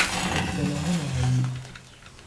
اصطلاح محلی